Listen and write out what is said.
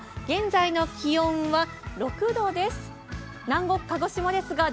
現在の気温は６度です。